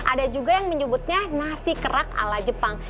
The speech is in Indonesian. ada juga yang menyebutnya nasi kerak ala jepang